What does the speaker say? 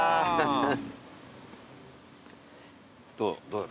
どう？